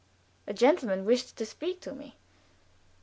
A gentleman wished to speak to me.